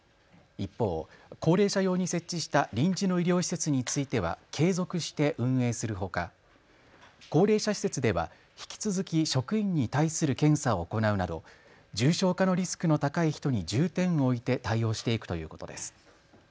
一方、高齢者用に設置した臨時の医療施設については継続して運営するほか高齢者施設では引き続き職員に対する検査を行うなど重症化のリスクの高い人に重点を置いて対応していくということです。